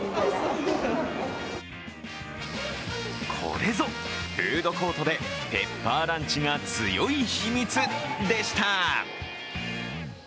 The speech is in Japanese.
これぞフードコートでペッパーランチが強い秘密でした。